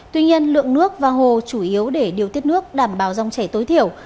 tuy nhiên lượng nước và hồ chủ yếu để điều tiết nước đảm bảo dòng chảy tối thiểu